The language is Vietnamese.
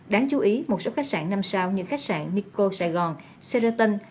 đáng chú ý một số khách sạn năm sao như khách sạn nikko sài gòn sheraton